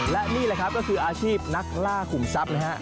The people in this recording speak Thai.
และนี่แหละครับก็คืออาชีพนักล่าขุมทรัพย์นะฮะ